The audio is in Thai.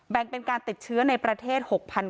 เป็นการติดเชื้อในประเทศ๖๙